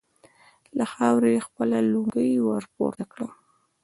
له خاورو يې خپله لونګۍ ور پورته کړه.